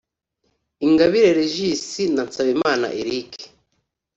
Ingabire Regis na Nsabimana Eric